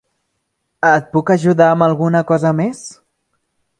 Et puc ajudar amb alguna cosa més?